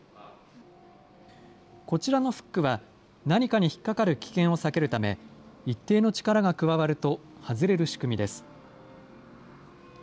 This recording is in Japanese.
こちらのフックは、何かに引っ掛かる危険を避けるため、一定の力が加わると外れる仕組みです。